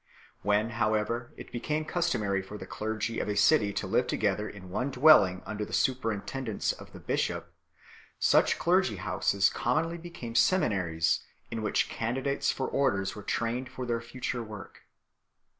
When, however, it became customary for the clergy of a city to live together in one dwelling under the superintendence of the bishop, such clergy houses commonly became seminaries in which candidates for orders were trained for their future work.